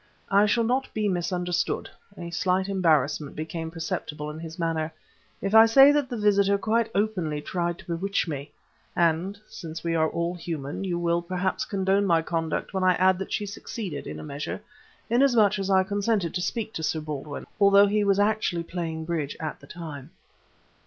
I shall not be misunderstood" a slight embarrassment became perceptible in his manner "if I say that the visitor quite openly tried to bewitch me; and since we are all human, you will perhaps condone my conduct when I add that she succeeded, in a measure, inasmuch as I consented to speak to Sir Baldwin, although he was actually playing bridge at the time.